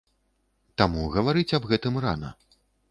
Таму гаварыць аб гэтым рана.